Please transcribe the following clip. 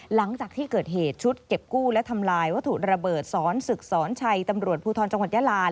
หลังจากที่เกิดเหตุชุดเก็บกู้และทำลายวัตถุระเบิดสอนศึกสอนชัยตำรวจภูทรจังหวัดยาลา